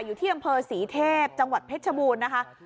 อยู่ที่อำเภอศรีเทพจังหวัดเพชรชบูรณ์นะคะ